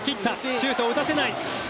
シュートを打たせない。